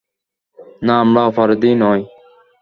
না, আমরা অপরাধী নই!